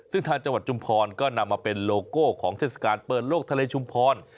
ซึ่งทางจังหวัดชุมพรก็นำมาเป็นโลโก้ของเทศกาลเปิดโลกทะเลชุมพร